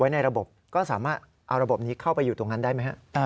ในระบบก็สามารถเอาระบบนี้เข้าไปอยู่ตรงนั้นได้ไหมฮะ